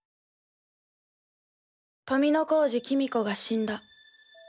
富小路公子が死んだ。